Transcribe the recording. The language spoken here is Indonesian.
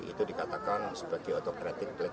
itu dikatakan sebagai otokratik